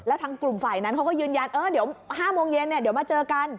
แล้วทางกลุ่มฝ่ายนั้นเขาก็ยืนยันเออเดี๋ยว๕โมงเย็นเดี๋ยวมาเจอกัน